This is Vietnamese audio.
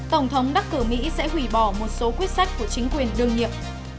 tổng thống đắc cử mỹ sẽ hủy bỏ một số quyết sách của chính quyền đương nhiệm